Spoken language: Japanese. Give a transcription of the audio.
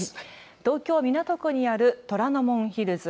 東京港区にある虎ノ門ヒルズ。